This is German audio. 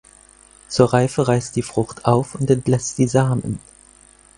Zur Reife reißt die Frucht auf und entlässt die Samen.